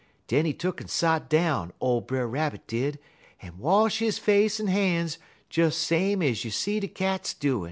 Den he tuck'n sot down, ole Brer Rabbit did, en wash his face en han's des same ez you see de cats doin'.